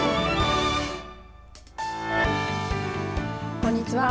こんにちは。